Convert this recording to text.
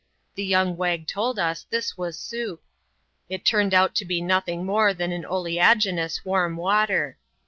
The young wag told us this was soup : it turned out to be nothing more than oleaginous warm water.